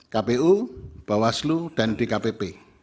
kpu bawaslu dan dkpp